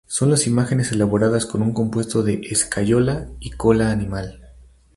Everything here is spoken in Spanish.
Son las imágenes elaboradas con un compuesto de escayola y cola animal.